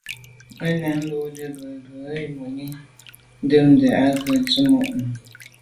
Mə́ ngə́ lódə́ bə̄ zə̄ bū rə̂ mùní ndɛ̂mbə́ bú gə̀ rə̌ tsə̀mô' nù.